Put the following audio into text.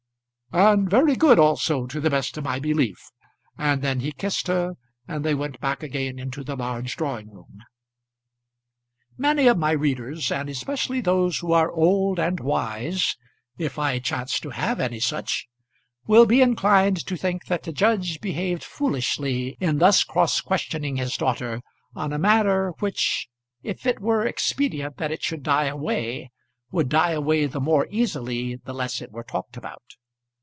"And very good also to the best of my belief." And then he kissed her, and they went back again into the large drawing room. Many of my readers, and especially those who are old and wise, if I chance to have any such, will be inclined to think that the judge behaved foolishly in thus cross questioning his daughter on a matter, which, if it were expedient that it should die away, would die away the more easily the less it were talked about.